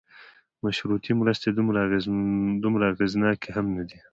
مشروطې مرستې دومره اغېزناکې هم نه دي.